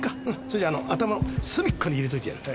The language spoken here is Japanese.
それじゃ頭の隅っこに入れといてやる。